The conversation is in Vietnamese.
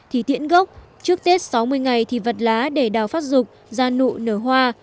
thì tiễn gốc trước tết sáu mươi ngày thì vật lá để đào phát rục da nụ nở hoa